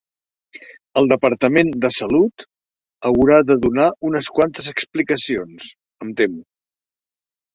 El Departament de Salut haurà de donar unes quantes explicacions, em temo.